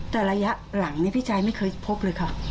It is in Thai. แต่ระยะหลังพี่ใจไม่เคยพบเลยค่ะ